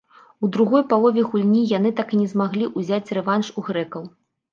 У другой палове гульні яны так і не змаглі ўзяць рэванш у грэкаў.